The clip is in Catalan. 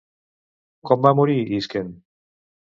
Com va morir Isquen?